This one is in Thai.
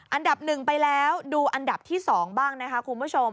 อันดับ๑ไปแล้วดูอันดับที่๒บ้างนะคะคุณผู้ชม